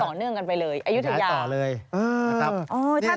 ต่อเนื่องกันไปเลยอายุถึงยาว